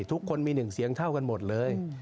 ทุกคนมีหนึ่งเสียงเท่ากันหมดเลย